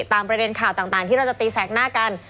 ตามประเด็นข่าวต่างที่เราจะตีแสกหน้ากัน